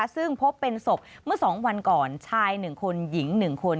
ซึ่งพบเป็นศพเมื่อ๒วันก่อนชาย๑คนหญิง๑คน